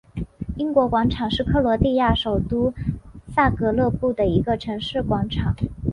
英国广场是克罗地亚首都萨格勒布的一个城市广场。